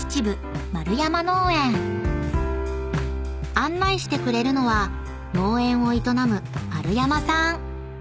［案内してくれるのは農園を営む］